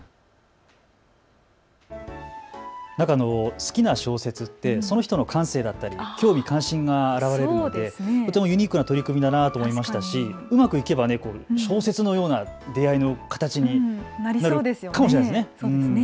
好きな小説ってその人の感性だったり興味、関心が表れるのでとてもユニークな取り組みだと思いましたしうまくいけば小説のような出会いも形になるかもしれませんね。